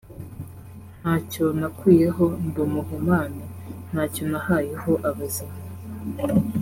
nta cyo nakuyeho ndi umuhumane, nta cyo nahayeho abazimu.